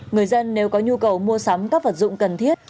người dân nếu có nhu cầu mua sắm các vật dụng cần thiết